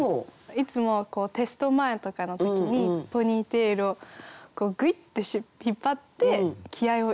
いつもテスト前とかの時にポニーテールをぐいって引っ張って気合いを入れる。